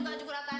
gua juga juga kan